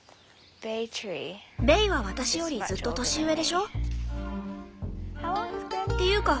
ベイは私よりずっと年上でしょ？っていうか